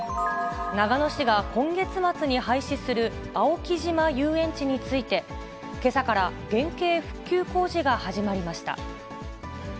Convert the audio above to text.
長野市が今月末に廃止する青木島遊園地について、けさから原形復旧工事が始まりました。